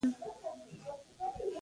زړه مه ماتوه، شاید الله پکې اوسېږي.